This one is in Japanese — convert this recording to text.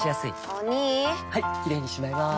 お兄はいキレイにしまいます！